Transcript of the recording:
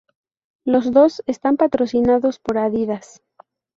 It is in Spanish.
Los dos están patrocinados por Adidas.